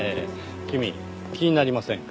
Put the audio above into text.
君気になりませんか？